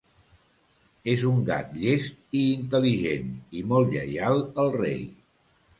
És un gat llest i intel·ligent i molt lleial al rei.